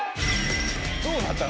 どうなったの？